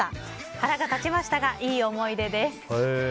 腹が立ちましたがいい思い出です。